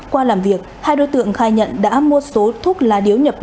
qua làm việc hai đối tượng khai nhận đã mua số thuốc lá điếu nhập lậu